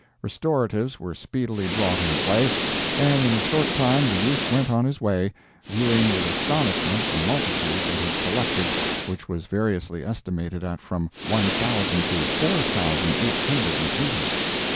Restoratives were speedily brought in play, and in a short time the youth went on his way, viewing with astonishment the multitude that had collected, which was variously estimated at from one thousand to four thousand eight hundred and eighty.